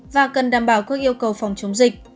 và cần đảm bảo các yêu cầu phòng chống dịch